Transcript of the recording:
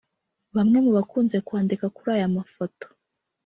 Bamwe mu bakunze kwandika kuri aya mafoto